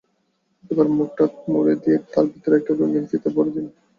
এবারে মুখটা মুড়ে দিয়ে তার ভেতরে একটা রঙিন ফিতা ভরে নিন।